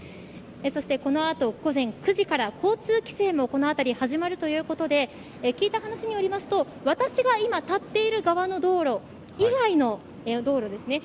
そしてこの後、午前９時から交通規制もこの辺り、始まるということで聞いた話によりますと私が今、立っている側の道路以外の道路ですね。